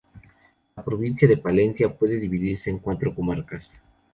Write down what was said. La provincia de Palencia puede dividirse en cuatro comarcas.